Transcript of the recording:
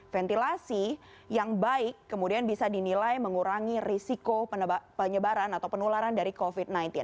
ventilasi yang baik kemudian bisa dinilai mengurangi risiko penyebaran atau penularan dari covid sembilan belas